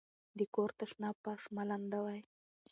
د کور تشناب فرش مه لندوئ.